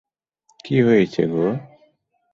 কী হয়েছে গো?